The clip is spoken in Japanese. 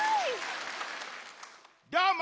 どーも！